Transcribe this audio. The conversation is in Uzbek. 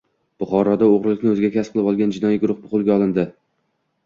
Buxoroda o‘g‘irlikni o‘ziga kasb qilib olgan jinoiy guruh qo‘lga olindi